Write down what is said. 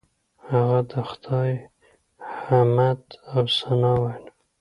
هغه د خدای حمد او ثنا ویله.